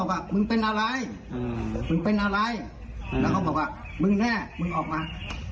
เขาบอกว่ามึงเป็นอะไรแล้วเขาบอกว่ามึงแม่มึงออกมา